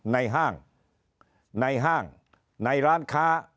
ห้างในห้างในร้านค้า